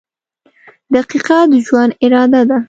• دقیقه د ژوند اراده ده.